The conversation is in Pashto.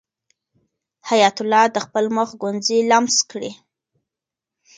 حیات الله د خپل مخ ګونځې لمس کړې.